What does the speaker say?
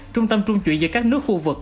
trung tâm trung chuyển giữa các nước khu vực